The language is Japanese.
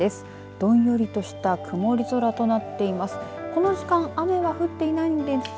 どんよりとした曇り空となっています。